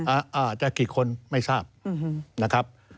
อาจจะกี่คนไม่ทราบนะครับ